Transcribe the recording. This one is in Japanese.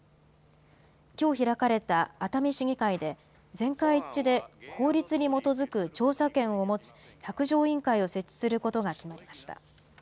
きょう開かれた熱海市議会で、全会一致で法律に基づく調査権を持つ百条委員会を設置することが決まりました。